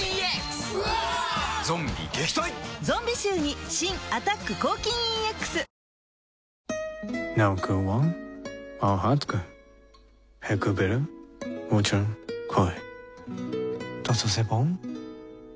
ゾンビ臭に新「アタック抗菌 ＥＸ」名誉とは